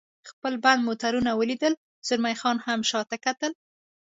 خپل بند موټرونه ولیدل، زلمی خان هم شاته کتل.